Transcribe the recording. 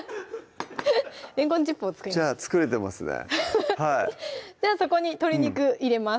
れんこんチップを作りましたじゃあ作れてますねではそこに鶏肉入れます